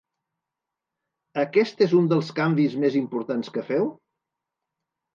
Aquest és un dels canvis més importants que feu?